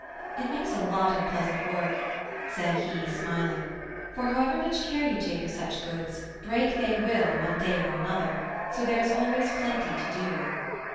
It makes a lot of pleasant work," said he, smiling, "for however much care you take of such goods, break they will, one day or another, so there is always plenty to do."